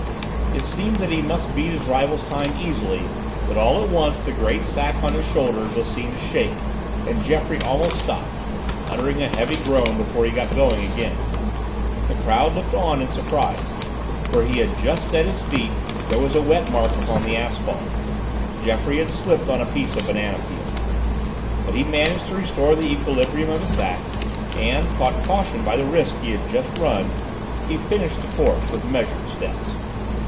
It seemed that he must beat his rival's time easily, but all at once the great sack on his shoulders was seen to shake, and Geoffroy almost stopped, uttering a heavy groan before he got going again. The crowd looked on in surprise: where he had just set his feet there was a wet mark upon the asphalte: Geoffroy had slipped on a piece of orange peel. But he managed to restore the equilibrium of the sack, and, taught caution by the risk he had just run, he finished the course with measured steps.